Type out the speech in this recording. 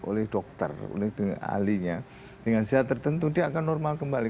oleh dokter oleh ahlinya dengan zat tertentu dia akan normal kembali